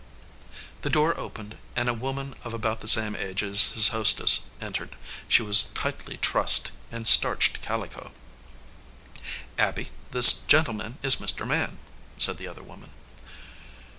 The door opened, and a woman of about the same age as his hostess entered. She was tightly trussed in starched calico. "Abby, this gentleman is Mr. Mann," said the other woman.